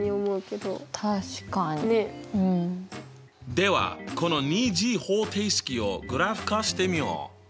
ではこの２次方程式をグラフ化してみよう。